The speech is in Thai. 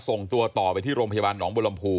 ส่งตัวต่อไปที่โรงพยาบาลหนองบุรมภู